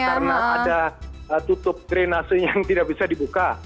apakah karena ada tutup drenasi yang tidak bisa dibuka